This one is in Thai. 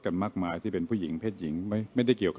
มากมายที่เป็นผู้หญิงเพศหญิงไม่ได้เกี่ยวกับ